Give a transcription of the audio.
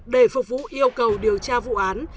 để phục vụ yêu cầu điều tra vụ án